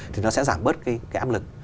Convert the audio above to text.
thì nó sẽ giảm bớt cái ám lực